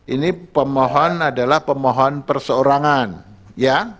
ini pemohon adalah pemohon perseorangan ya